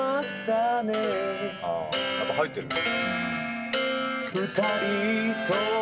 やっぱ入ってる。